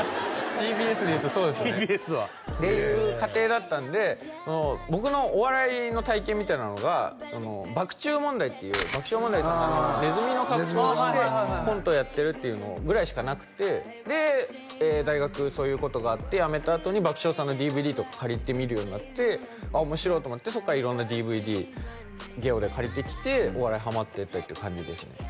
ＴＢＳでいうとそうですねＴＢＳはっていう家庭だったんで僕のお笑いの体験みたいなのが「爆チュー問題」っていう爆笑問題さんがネズミの格好をしてコントをやってるっていうのぐらいしかなくてで大学そういうことがあってやめたあとに爆笑さんのＤＶＤとか借りて見るようになってあっ面白いと思ってそっから色んなＤＶＤＧＥＯで借りてきてお笑いハマってってっていう感じですね